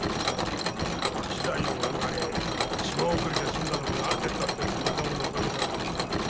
死罪を免れ島送りで済んだのもお殿様のおかげだからな。